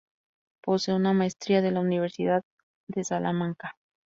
Posee una maestría de la Universidad de Salamanca.